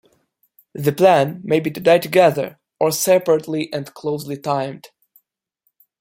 The plan may be to die together, or separately and closely timed.